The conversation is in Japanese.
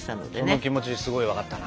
その気持ちすごい分かったな。